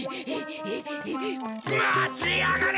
待ちやがれ！